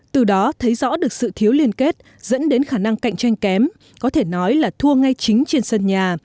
từ đó thấy rõ được sự thiếu liên kết dẫn đến khả năng cạnh tranh kém có thể nói là thua ngay chính trên sân nhà